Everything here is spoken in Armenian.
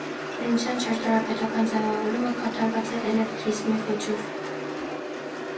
Շինության ճարտարապետական ձևավորումը կատարված է էկլեկտիզմի ոճով։